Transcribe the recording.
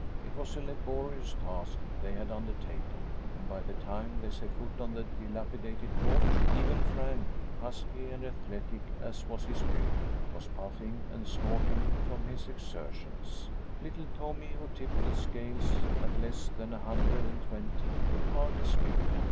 It was a laborious task they had undertaken, and, by the time they set foot on the dilapidated porch, even Frank, husky and athletic as was his build, was puffing and snorting from his exertions. Little Tommy, who tipped the scales at less than a hundred and twenty, could hardly speak.